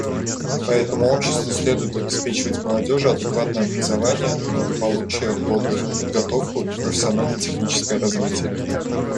Поэтому обществу следует обеспечивать молодежи адекватные образование, благополучие, отдых, подготовку и профессионально-техническое развитие.